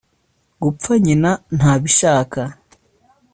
gupfa nyina ntabishaka